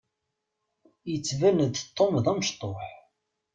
Yettban-d Tom d amecṭuḥ.